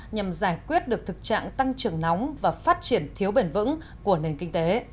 nhằm giải quyết được thực trạng tăng trưởng nóng và phát triển thiếu bền vững của nền kinh tế